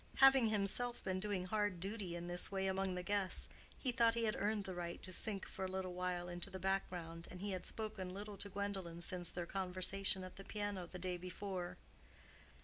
Having himself been doing hard duty in this way among the guests, he thought he had earned the right to sink for a little while into the background, and he had spoken little to Gwendolen since their conversation at the piano the day before.